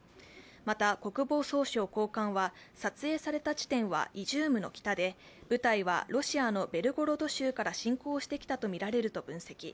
また、国防総省高官は撮影された地点はイジュームの北で部隊はロシアのベルゴロド州から侵攻してきたとみられると分析。